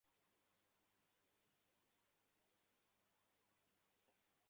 পূর্ণ তো একেবারে বজ্রাহতবৎ!